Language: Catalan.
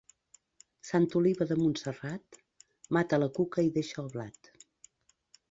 Santa Oliva de Montserrat, mata la cuca i deixa el blat.